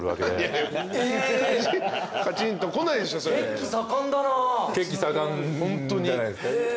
血気盛んだな。